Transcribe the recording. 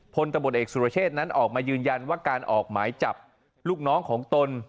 พลตำรวจเอกสุรเชษนั้นออกมายืนยันว่าการออกหมายจับลูกน้องของตน